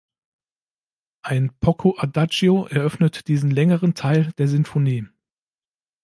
Ein Poco Adagio eröffnet diesen längeren Teil der Sinfonie.